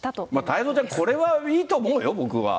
太蔵ちゃん、これはいいと思うよ、僕は。